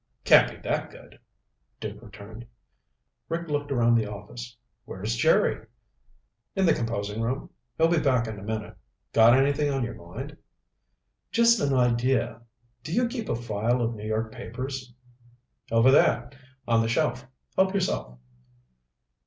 "Can't be that good," Duke returned. Rick looked around the office. "Where's Jerry?" "In the composing room. He'll be back in a minute. Got anything on your mind?" "Just an idea. Do you keep a file of New York papers?" "Over there. On the shelf. Help yourself."